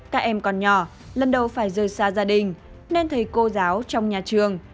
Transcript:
các em còn nhỏ lần đầu phải rời xa gia đình nên thầy cô giáo trong nhà trường